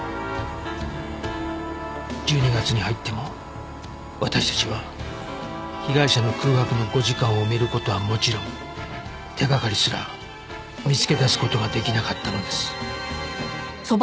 １２月に入っても私たちは被害者の空白の５時間を埋める事はもちろん手掛かりすら見つけ出す事ができなかったのです